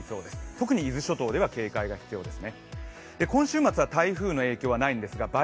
特に伊豆諸島では警戒が必要です。